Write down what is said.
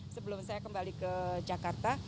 sebelum saya kembali ke jakarta